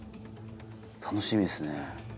楽しみですね。